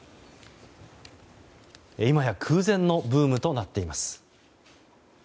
今や空前のブームとなっています。